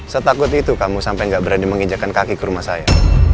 setakut itu kamu sampai gak berani menginjakan kaki ke rumah saya